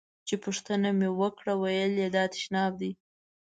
چې پوښتنه مې وکړه ویل یې دا تشناب دی.